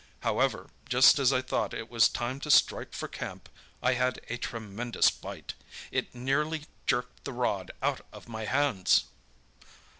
However, just as I thought it was time to strike for camp, I had a tremendous bite. It nearly jerked the rod out of my hands!